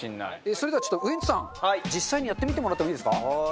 それではちょっとウエンツさん実際にやってみてもらってもいいですか。